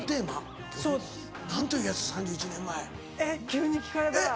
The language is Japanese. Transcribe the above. えっ急に聞かれたら。